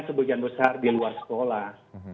sebagian besar di luar sekolah